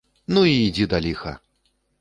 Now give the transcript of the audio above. Ну, і ідзі да ліха!